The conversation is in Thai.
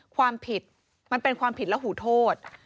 ความผิดมันเป็นความผิดและหูโทษ